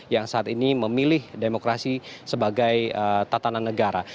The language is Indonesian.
yang saat ini memilih demokrasi sebagai tatanan negara